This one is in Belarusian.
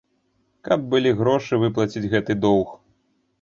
Каб былі грошы выплаціць гэты доўг.